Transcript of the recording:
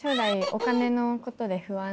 お金のことで不安。